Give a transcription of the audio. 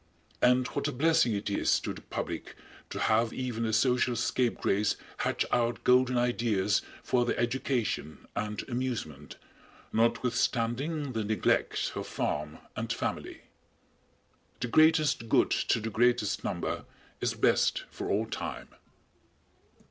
And what a blessing it is to the public to have even a social scapegrace hatch out golden ideas for their education and amusement, notwithstanding the neglect of farm and family! The greatest good to the greatest number is best for all time.